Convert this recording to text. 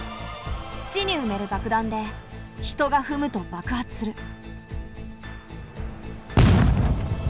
土にうめる爆弾で人がふむと爆発する。